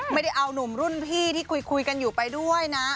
ไม่ได้เอานุ่มรุ่นพี่ที่คุยกันอยู่ไปด้วยนะ